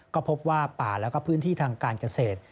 ก็พบว่าป่าแล้วก็พื้นที่ทางการเกษตร